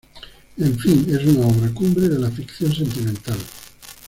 En fin, es una obra cumbre de la ficción sentimental.